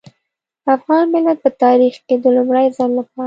افغان ملت په تاريخ کې د لومړي ځل لپاره.